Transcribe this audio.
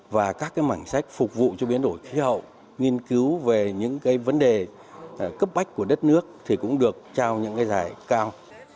và các cái mảng sách phục vụ cho biến đổi khí hậu nghiên cứu về những cái vấn đề cấp bách của đất nước thì cũng được trao những cái giải cao